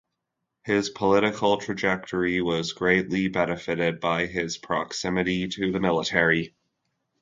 His political trajectory was greatly benefited by his proximity to the military.